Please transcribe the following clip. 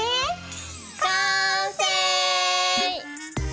完成！